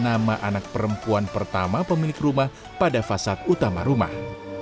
nama anak perempuan pertama pemilik rumah pada fasad utama rumah